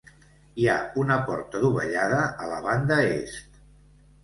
Hi ha una porta dovellada a la banda est.